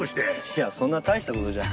いやそんな大した事じゃ。